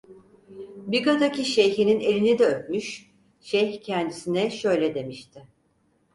Biga'daki şeyhinin elini de öpmüş, şeyh kendisine şöyle demişti: